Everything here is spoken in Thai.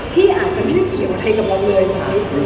ที่อาจจะมุ่งเกี่ยวเทพกระบบเลยศาลิสทธิ์